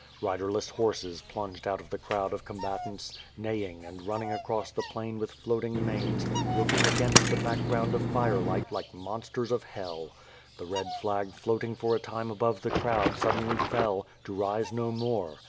Riderless horses plunged out of the crowd of combatants, neighing and running across the plain with floating manes, looking against the back ground of firelight like monsters of Hell. The red flag floating for a time above the crowd suddenly fell, to rise no more.